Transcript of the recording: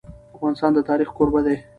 افغانستان د تاریخ کوربه دی.